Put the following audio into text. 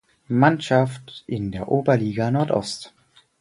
Mannschaft in der Oberliga Nordost.